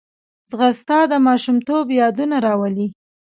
ځغاسته د ماشومتوب یادونه راولي